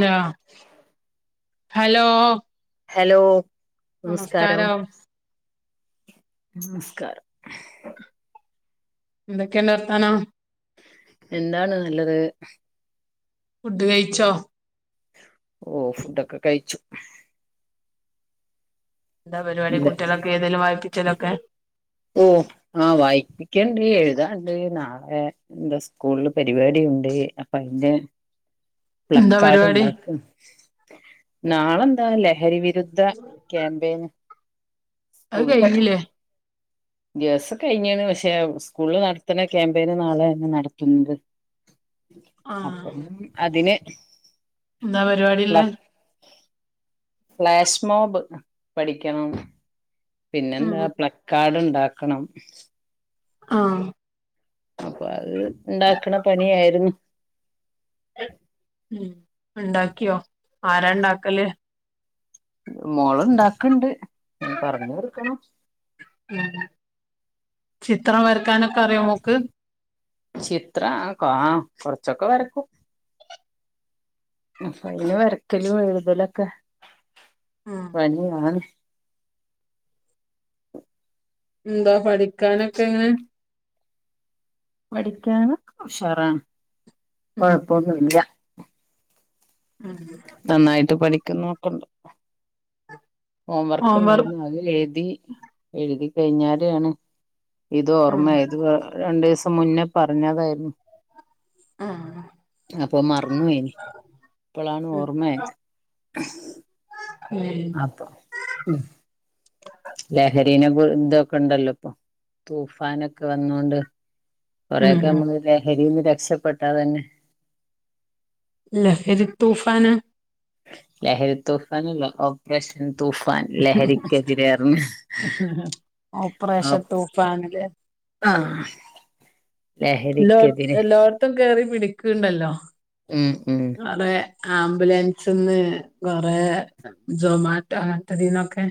Hello hello. Hello നമസ്കാരം, നമസ്കാരം. എന്തൊക്കെണ്ട് വർത്താനം. എന്താണ് നല്ലത്. ഫുഡ് കഴിച്ചോ? ഓ ഫുഡൊക്കെ കഴിച്ചു. എന്താ പരിപാടി ഇല്ല കുട്ടികളൊക്കെ എയ്‌തേലും വായിപ്പിച്ചലൊക്കെ. ഉം ആ വായിപ്പിക്കണ്ട് എഴുതാണ്ട് നാളെ. എന്താ സ്കൂളില് പരിപാടിയുണ്ട് അപ്പൊ അയിന്റെ, [inaudible] പരിപാടി പ്ളക്കാട്ണ്ടാക്കും നാളെന്താ ലഹരിവിരുദ്ധ, ക്യാബേയ്ന് അത് കഴിഞ്ഞില്ലേ. ദിവസ കഴിഞ്ഞേന് പക്ഷെ സ്കൂളില് നടത്തണ ക്യാമ്പയിന് നാളെണ്‌ നടത്തുന്നത്. ആഹ് അപ്പം അതിന്, എന്താ പരിപാടിള്ളേ? ഫ്ലാഷ്മോബ് പഠിക്കണം. പിന്നെന്താ പ്ലകാഡ് ഇണ്ടാക്കണം. ആഹ്. അപ്പൊ അത് ഇണ്ടാക്ണ പണിയായിരുന്നു. ഏഹ് ഉം ഇണ്ടാക്കിയോ? ആരാ ഇണ്ടാക്കല്? മോള് ഇണ്ടാക്ണ്ട് പറഞ്ഞ് കൊടുക്കണം. ഉം ചിത്രം വരക്കാനൊക്കെ അറിയോ മോക്ക്? ചിത്ര ആ കാ കൊറച്ചൊക്കെ വരക്കും. അപ അയിന് വരക്കല് എഴുതലൊക്കെ, ഉം. [unintelligible] [inaudible] എന്താ പഠിക്കാനൊക്കെ എങ്ങനെ? പഠിക്കാനോക്കെ ഉഷാറാണ് ഉം കൊഴപ്പോന്നുല്ല. ഉം. നന്നായിട്ട് പഠിക്കുന്നൊക്കണ്ട്. ഹോം വർക്ക് ഹോംവർ ഇണ്ടായിരുന്നു അത് എയ്തി എഴുതി കഴിഞാരെണ്. ഇത് ഉം ഓർമായത് രണ്ടീസം മുന്നേ പർഞ്ഞതായിരുന്നു. ആഹ് അപ്പൊ മർന്നു പൊയിനി ഇപ്പളാണ് ഓർമ ആയത്. ഏ ഉം ലഹരിനെ കു ഇതൊക്ക ഇണ്ടല്ലോ ഇപ്പൊ. തൂഫാനൊക്ക വന്നൊണ്ട് കൊറെ ഒക്ക ഉം നമ്മള് ലഹരീന്ന് രക്ഷപ്പെട്ട തന്നെ. ലഹരി തൂഫാന. ലഹരി തൂഫാനല്ല ഓ റേഷേൻ തൂഫാൻ ലഹരിക്കെതിരെർഞ് നോ ഓപ്പറേഷൻ തൂഫാനില്ലേ ആഹ് എല്ലോ ലഹരിക്കെതിരെ എല്ലോട്ത്തും കേറി പിടിക്ക്ണ്ടല്ലോ ഉം ഉം അതെ ആംബുലൻസ്ന്ന് കൊറെ ജൊമാറ്റോ അങ്ങൻത്തെതീന്നൊക്കെ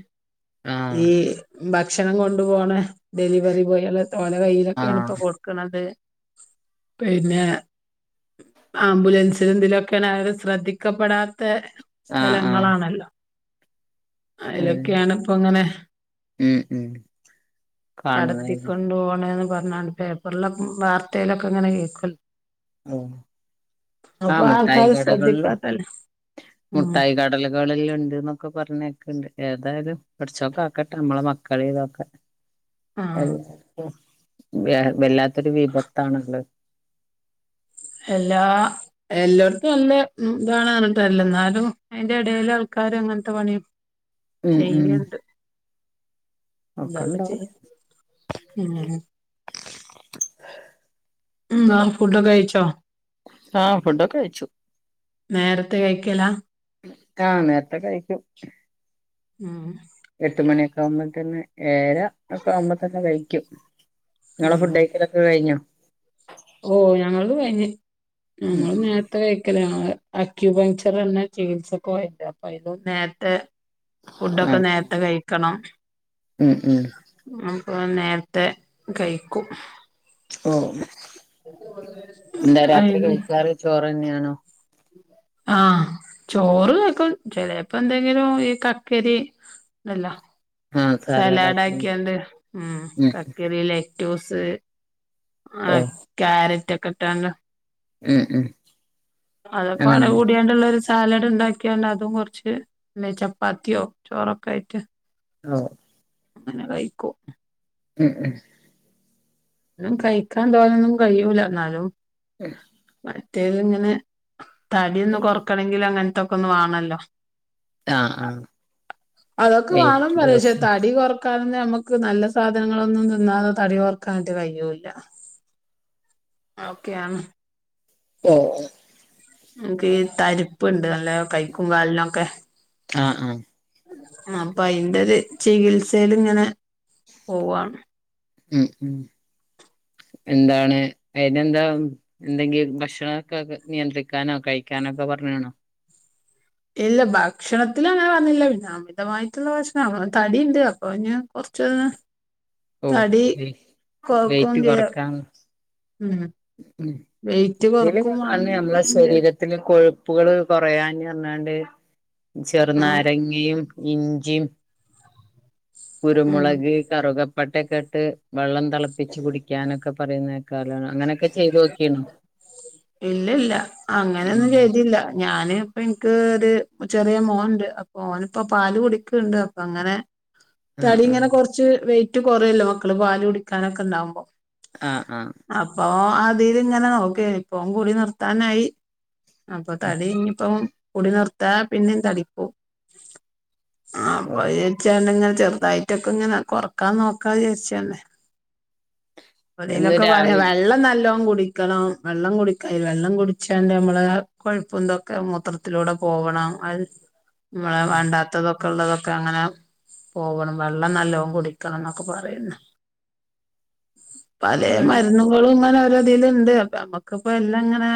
ആഹ് ഈ ഭക്ഷണം കൊണ്ടു പോണെ ഡെലിവറി ബോയള് ഓലെ കൈയ്യിലൊക്കെണ് ഇപ്പൊ ആഹ് കൊട്ക്ക്ണത് പിന്നെ ആംബുലൻസിലും ഇതിലൊക്കെണ് ആരും ശ്രദ്ധിക്കപ്പെടാത്ത ആഹ് ആഹ് സ്ഥലങ്ങളാണല്ലോ അതെ അയിലൊക്കെണ് ഇപ്പൊങ്ങനെ ഉം ഉം കാണുന്നേല്ല കടത്തികൊണ്ട് പോണെന്ന് പർഞാണ്ട് പേപ്പർലൊക്ക വാർത്തെലൊക്ക ഇങ്ങനെ കേക്കല്ലോ ഓ ആ മുട്ടായി കടകൾലും ശ്രദ്ധിക്കാത്തല്ലേ ഉം മുട്ടായി കട കളിലിണ്ട് ന്നൊക്ക പർഞെക്ക്ണ്ട് ഏതായാലും പട്ച്ചോൻ കാക്കട്ടെ നമ്മളെ മക്കളി ഇതൊക്കെ [inaudible] അ എ ആഹ് വ വല്ലാത്തൊരു വിപത്താണ്ള്ള എല്ലാ എല്ലോട്ത്തും നല്ല ഉം ഇതാണ് പർഞ്ഞിട്ടാര്യല്ല ന്നാലും അഴിന്റെ എടെല് ആൾക്കാര് അങ്ങൻത്ത പണി ഉം ഉം ചെയ്യ്ണ്ട് എന്താപ്പ ഒക്കെണ്ടാവും ചെയ്യാ ഉം ഉം ആ ഫുഡൊക്ക കഴിച്ചോ ആ ഫുഡൊക്ക കഴിച്ചു. നേരത്തെ കഴിക്കലാ ആ നേര്ത്തെ കഴിക്കും ഉം എട്ട് മണിയൊക്ക ആവുമ്പം തന്നെ ഏഴര ഒക്ക ആവുമ്പോത്തന്നെ കഴിക്കും ഇങ്ങള ഉം ഫുഡെയിക്കലൊക്ക കഴിഞ്ഞോ ഓ ഞങ്ങൾത് കഴിഞ്ഞ് ഉം ഞങ്ങള് നേര്ത്തെ കഴിക്കലാ ഞങ്ങള് അക്യൂപങ്ചർ എന്ന ചികിത്സക്കോവൽ ഇണ്ട് അപ്പ അയിനും നേര്ത്തെ ആ ഫുഡൊക്ക നേര് ത്ത കഴിക്കണം ഉം ഉം അപ്പൊ നേര്ത്തെ കയിക്കും ഓ എന്താ രാത്രി അയിന് കഴിക്കാറ് ചോറെന്നെണോ ആഹ് ചോറ് കയിക്കും ചേലെപ്പം എന്തെങ്കിലും ഈ കക്കരി അല്ല ആ സലാഡ് സാലഡാക്കി ആക്കിയാണ്ട് ഉം കക്കിരീല് [unintelligible] ഓ ആഹ് ക്യാരറ്റ് ഒക്കെ ഇട്ടാണ്ട് ഉം ഉം അതൊക്കെ ആടെ അങ്ങനെ കൂടിയാണ്ടുള്ളൊരു സാലഡ് ഇണ്ടാക്കിയാണ്ട് അതും കൊറച്ച് പിന്നെ ചപ്പാത്തിയോ ചോറൊക്കായിട്ട് ആഹ് അങ്ങനെ കയിക്കും ഉം ഉം [unintelligible] കയിക്കാൻ തോനെന്നും കയ്യൂല എന്നാലും ഉം മറ്റേത് ഇങ്ങനെ തടിയൊന്ന് കൊറക്കണെങ്കില് അങ്ങനത്തൊക്കെ ഒന്ന് വാണല്ലോ ആ ആ അഹ് അതൊക്കെ വാണംന്ന് പറയും പക്ഷെ വെയിറ്റ്ലോസ് തടി കൊറ ക്കാനൊന്നും നമ്മക്ക് നല്ല സാധനങ്ങളൊന്നും തിന്നാതെ തടി കൊറക്കാനായിട്ട് കയ്യൂല്ല ഓക്കെയാന്ന് മ്ഹ് എനിക്ക് തരിപ്പ്ണ്ട് നല്ല കൈക്കും കാലിനൊക്കെ ആഹ് ആഹ്. അപ്പൊ അയിന്റൊരു ചികിൽസെല് ഇങ്ങനെ പോവാണ്. ഉം ഉം. എന്താണ് അയിനെന്താ എന്തെങ്കിലും ഭക്ഷണമൊക്ക നിയന്ത്രിക്കാനോ കഴിക്കാനോ ഒക്കെ പറഞ്ഞാണോ? ഇല്ല ഭക്ഷണത്തില് അങ്ങനെ പറഞ്ഞില്ല പിന്നെ അമിതമായിട്ടുള്ള ഭക്ഷണം തടിയ്ണ്ട് അപ്പൊ ഇങ്ങനെ കൊറച്ച് ഓഹ് കൊറക്കും വെയ്റ്റ് ചെയ്യ കൊറക്കാന്ന്. ഉം മ്ഹ് വെയിറ്റ് ഇതില് കൊറക്കും ഞാൻ [unintelligible] നമ്മള വേണം ശരീര ത്തില് കൊഴുപ്പുകള് കൊറയാന്ന് പറഞ്ഞാണ്ട് ചെറു ആഹ് നാരങ്ങയും. ഇഞ്ചിയും ഉം കുരുമൊളക് കറുകപ്പട്ടേക്ക ഇട്ട് വെള്ളം തെളപ്പിച്ച് കുടിക്കാനൊക്കെ പറയുന്ന കേക്കാലോ അങ്ങനെക്കെ ചെയ്തു നോക്കിയേണ് ഇല്ലല്ല അങ്ങനൊന്നും ചെയ്തി തില്ല ഞാന് ഇപ്പ ഇനിക്ക് ഒരു ചെറിയ മോൻ ഇണ്ട് അപ്പൊ ഓന് ഇപ്പ പാൽ കുടിക്ക്ണ്ട് അ പ്പൊ അങ്ങനെ. ആഹ് തടി ഇങ്ങനെ ആഹ് കൊറച്ച് വെയിറ്റ് കൊറയല്ലോ മക്കള് പാല് കുടിക്കാനൊക്കെ ഇണ്ടാവുമ്പോ. ആഹ് ആഹ്. അപ്പൊ അതിലിങ്ങനെ നോക്കേർന്ന് ഇപ്പൊ കൂടി നിർത്താനായി. അപ്പൊ തടി ഇനിയിപ്പം കുടി നിർത്തിയാ പിന്നേം തടിക്കും. ഓ അപ്പൊ [unintelligible] ഇങ്ങനെ ചെറുതായിട്ടൊക്കെ ഇങ്ങനെ കൊറക്കാൻ നോക്കാന്ന് വിചാരിച്ചു വന്നേ പ്പൊ എന്നും ഇതിലൊക്കെ പറയാ രാവിലെ വെള്ളം നല്ലോണം കുടിക്കണം. വെള്ളം കുടിക്കാ വെള്ളം കുടിച്ചാണ്ട് നമ്മള കൊഴുപ്പും ഇതൊക്കെ മൂത്രത്തിലൂടെ പോകണം അയ് മ്മള വേണ്ടാത്തതും. ക്കെള്ളതൊക്കെ അങ്ങനെ പോകണം വെള്ളം നല്ലോണം കുടിക്കണം എന്നൊക്കെ പറയുന്ന് പലേ മരുന്നുകളും ഇങ്ങനെ ഓരോ ഇതില്ണ്ട് അപ്പൊ അമ്മക്കിപ്പ എല്ലാം ഇങ്ങനെ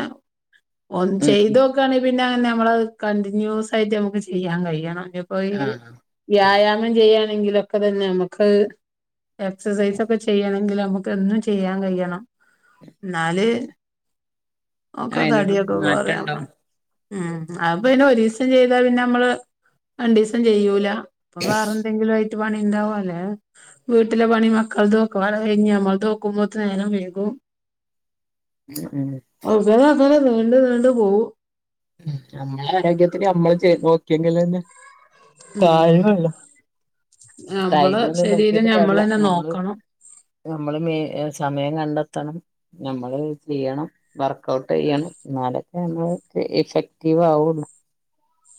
ഒന്ന് ഉം ഉം ചെയ്തോ? ആണേ പിന്നെ അങ്ങനെ നമ്മള് കണ്ടിന്യൂസ് ആയിട്ട് നമുക്ക് ചെയ്യാൻ കഴിയണം അപ്പോ ഈ- ആഹ് വ്യായാമം ചെയ്യണെങ്കിലൊക്കെ തന്നെ നമക്ക് എക്സസൈസ് ഒക്കെ ചെയ്യയാണെങ്കിൽ നമുക്ക്- എന്നും ചെയ്യാൻ കഴിയണം എന്നാല്- അതിനോട് ഒക്കെതടിയൊക്കെ മാറ്റണ്ടോ കുറയാമ്മ- ഉം അപ്പ പിന്നെ ഒരു ദിവസം ചെയ്താ പിന്നെ നമ്മള് രണ്ടു ദിവസം ചെയ്യൂല- ഇപ്പം വേറെ എന്തെങ്കിലും ആയിട്ട് പണിണ്ടാവും അല്ലെ? വീട്ടിലെ പണി മക്കൾതോക്കും അത് കഴിഞ്ഞുനമ്മൾത് തോക്കുമ്പോത്തനം നേരം വേകും- ആഹ് - അവസാനം അവസാനം നീണ്ട് നീണ്ട് പോവും. നമ്മുടെ ആരോഗ്യത്തിന് നമ്മൾ ചെയ്യുമ്പോ നോക്കിയെങ്കിലെന്നെ- ഉം. നമ്മള് ടൈമൊന്നും ശരീരം നോക്കിട്ട് കാര്യല്ല ഞമ്മൾന്നെ ഞമ്മള് നോക്കണം. നമ്മള് മ സമയം കണ്ടെത്തണം. നമ്മള് ചെയ്യണം വർക്കഔട്ട് ചെയ്യണം എന്നാലൊക്കെ നമ്മൾ- ഇഫെക്റ്റിവ് ആവുള്ളു.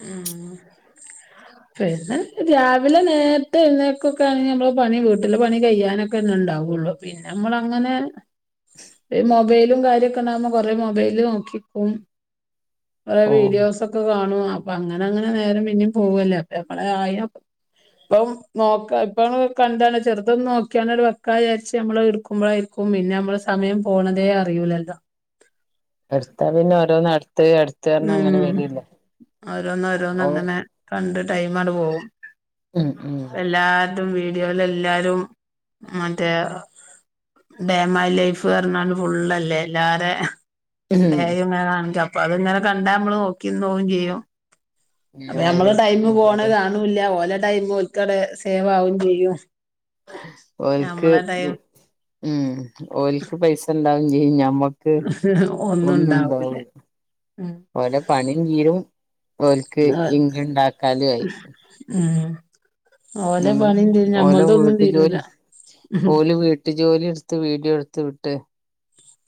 ഉം. പിന്നെ രാവിലെ നേരത്തെ എഴുനേൾക്കൊക്കെ ആണെങ്കിൽ നമ്മൾ പണി വീട്ടില് പണി കഴ്യാനൊക്കെ ഒന്ന ഉണ്ടാവുള്ളു. പിന്നെ നമ്മൾ അങ്ങനെ- മൊബൈലും കാര്യൊക്കെ ഉണ്ടാവകുമ്പോ കൊറെേ മൊബൈല് നോക്കിക്കും- കോറെേ ഓ വീഡിയോസ് ഒക്കെ കാണും. അപ്പൊ അങ്ങനെ അങ്ങനെ നേരം പിന്നേും പോവല്ലേ അപ്പൊ അളെ ആയ- ഇപ്പം നോക്ക ഇപ്പാണ് കണ്ടാണ് ചെറുതൊന്ന് നോക്കിയാണ് അവടെ വെക്ക വിചാരിച്ച്നമ്മള് എടുക്കുമ്പോഴായിരിക്കും ക്കും പിന്നെ നമ്മള് സമയം പോണതെ അറിയൂലല്ലോ? എടുത്താ പിന്നെ ഓരോന്ന് അടുത്ത് അടുത്ത് പറഞ്ഞ് ഉം അങ്ങനെ വരല്ലേ ഓരോന്ന് അപ്പ ഓരോന്ന് അങ്ങനെ കണ്ട് ടൈം അങ്ങട് പോകും ഉം ഉം എല്ലാ- വീഡിയോയിൽ എല്ലാരും മറ്റേ- ഡേ മൈ ലൈഫ് പറഞ്ഞാല് ഫുുള്ളല്ലേ എല്ലാരേ ഡേ ഉം ഇങ്ങനെ കാണിക്ക അപ്പൊ അത് ഇങ്ങനെ കണ്ടാ നമ്മള് നോക്കി ഇരുന്നുപോവും ചെയ്യും- അതേ നമ്മളെ ടൈം പോണ കാണ് - ഒന്നുല്യാ ഒരടെ ടൈം ഒരുകാവടെ സേവ് ആവും ചെയ്യും. ഓര്ക്ക് നമ്മളെ ടൈം ഉം മ്മ് ഓര്ക്ക് പൈസ ഉണ്ടാവും ചെയ്യും ഞ്ഞമ്മക് ക്ക് ഒന്നും ഉണ്ടാവുലാ ഉം ഒരേ പണിയും തീരും- ഓര്ക്ക് ഇൻകം ഉണ്ടാക്കലും ആയി- ഉം ഓലെ നമ്മള് പണിയും തീരും ഓലെ ഞമ്മൾതൊന്നും തീരൂല വീട്ടുജോലി ഓല് വീട്ടു ട്ട് ജോലി എടുത്ത് വീഡിയോ എടുത്ത് വിട്ട്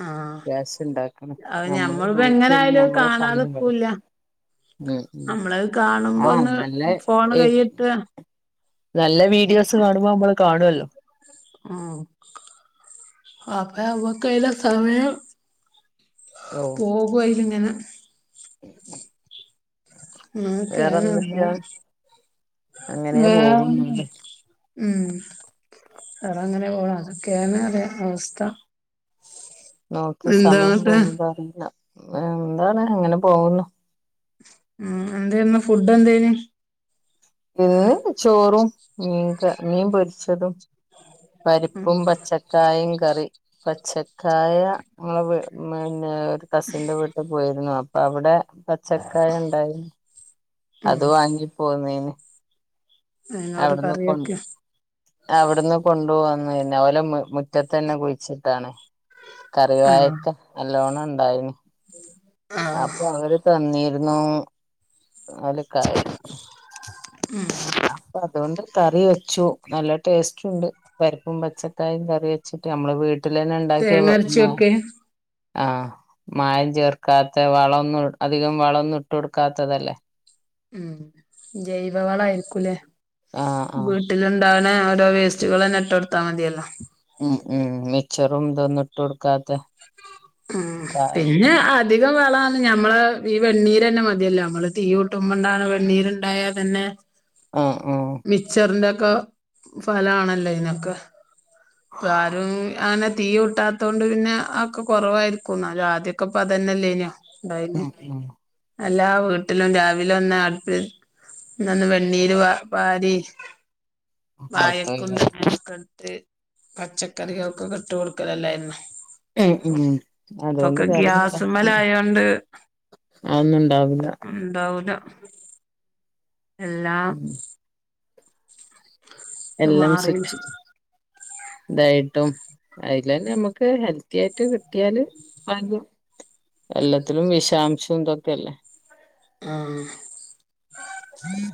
ആഹ് ക്യാഷ ഉണ്ടാക്കണ് അത് ഞമ്മള് ഞമ്മളിപ്പോ എങ്ങനെ നോക്കിന്ന് ആയാലും അത് ഞമ്മളെ സമയം കളയും. കാണാതെക്കൂല്ല ആഹ് ഉം നമ്മളത് കാണുമ്പോ ആഹ് ഒന്ന് നല്ല ഫോണ് കൈയിട്ട് നല്ല വീഡിയോസ് കാണുമ്പോ നമ്മള് കാണുവല്ലോ? ആഹ് അപ്പ നമുക്കയിലെ സമയം- ഓഹ്- പോകും അതിലിങ്ങനെ- [inaudible] വേറെ ആഹ് എന്തൊക്കെയാ അങ്ങനെ [unintelligible] പോകുന്നുല്ലേ ഉം അതങ്ങനെപോണ് അതൊക്കെയാണ് അവസ്ഥ- നോക്കി സമയം എന്താന്നിട്ട് പോകുന്നത് അറിയില്ല എന്താണ് അങ്ങനെ പോകുന്നു ഉം എന്താരുന്നു ഫുഡ് എന്തേന് ഇന്ന് ചോറും മീൻ ക മീൻ പൊരിച്ചതും ഉം പരിപ്പും പച്ചക്കായും കറി പച്ചക്കായ ഞങ്ങളെ പിന്നെ കസിന്റെ വീട്ടിൽ പോയിരുന്നു അപ്പൊ അവിടെ പച്ചക്കായ ണ്ടായിരുന ഉം അത് വാങ്ങി പൊന്നിനി അതിനോട് കറി വെക്കെ അവിടുന്ന് കൊണ്ടു പോന്നു പിന്നെ ഓലെ മുറ്റതെല്ലാം കുഴിച്ചിട്ടാണ് ആഹ് കറിവായക്ക നല്ലോണം ഉണ്ടായിനി [inaudible] അപ്പൊ അവര് തന്നിരുന്നു നാലുകായ മ്മ് അപ്പൊ അതോണ്ട് കറി വെച്ചു നല്ല ടേസ്റ്റ് ഉണ്ട് പരിപ്പും പച്ചക്കായും കറി വെച്ചിട്ട് നമ്മളെ വീട്ടിലന്നെ ഉണ്ടാക്കിയ തേങ്ങ അരച്ച് [unintelligible] വെക്കെ ആഹ മായം ചേർക്കാത്ത വളഒന്നും അധികം വളഒന്നും ഇട്ട് കൊടുക്കാത്തതല്ലേ മം ജൈവവളായിരിക്കൂലേ ആഹ് വീ ആഹ് വിട്ടിലുണ്ടാവണ ഓരോ വേസ്റ്റെകലെന്നെ ഇട്ടു കൊടുത്താൽ മതിയല്ലോ ഉം ഉം മിസ്ച്ചറും ഇതൊന്നും ഇട്ട് കൊടുക്കാത്തെ മ്മഹ് പിന്നെ അ അധികം വളണ് മ്മള് ഈ വെണ്ണീര് തന്നെ മതിയല്ലോ നമ്മള് തീ കുട്ടുമ്പോണ്ടാണ് വെണ്ണീരുണ്ടായാൽ തന്നെ മ്മ് മ്മ് മിസ്ച്ചറിന്റൊക്കെ ഫലാണല്ലോ ഇതിനൊക്കെ ഇപ്പൊ ആരും അങ്ങനെ തീ കൂട്ടാ തൊണ്ട് പിന്നെ അഹോക്കെ കുറവായിരിക്കും ന്നാലും ആദ്യൊക്ക ഇപ്പ അതന്നെല്ലേ ഉണ്ടായിന് ഉം ഉം എല്ലാ വീട്ടിലും രാവിലെ ഒന്ന് അടുപ്പു ഒന്ന് വെണ്ണീര് വ വാരി പുറത്ത് പോയി വഴക്കും തേങ്ങനൊക്കെ ഇട്ട് പച്ചക്കറികൾക്കൊക്കെ ഇട്ടു കൊടുക്കലല്ലായിന്നോ ഉം ഉം അതോണ്ട് കറിയുണ്ടാക്കി ഗ്യാസുമ്മലായോണ്ട് അതൊന്നും ണ്ടാവില്ല ണ്ടാവൂല എല്ലാം ഉം ഇത് എല്ലാം മാറിയില്ലേ സ്വിച്ച് ഇതായിട്ടും അതിലെന്നെ നമ്മക്ക് ഹെൽത്തി ആയിട്ട് കിട്ടിയാല് പ എല്ലാത്തിലും വിഷാംശും ഇതൊക്കെല്ലേ ആഹ്